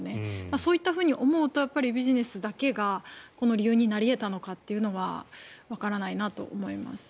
そういったふうに思うとビジネスだけがこの理由になり得たのかというのはわからないなと思います。